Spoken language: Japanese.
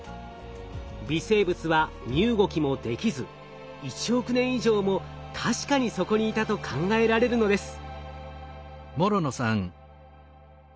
微生物は身動きもできず１億年以上も確かにそこにいたと考えられるのです。